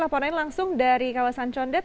laporan langsung dari kawasan condet